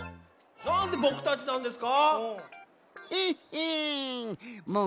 なんでぼくたちなんですか！？へっへん！